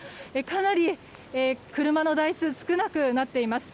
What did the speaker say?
かなり車の台数少なくなっています。